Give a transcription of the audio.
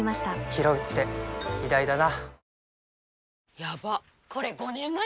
ひろうって偉大だな